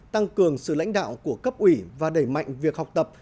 tăng cường sự lãnh đạo của cấp ủy và đẩy mạnh việc học tập